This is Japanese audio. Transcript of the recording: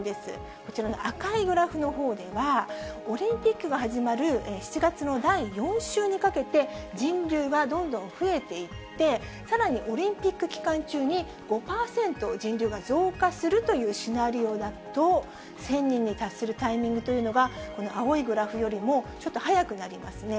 こちらの赤いグラフのほうでは、オリンピックが始まる７月の第４週にかけて、人流はどんどん増えていって、さらにオリンピック期間中に５％人流が増加するというシナリオだと、１０００人に達するタイミングというのは、この青いグラフよりもちょっと早くなりますね。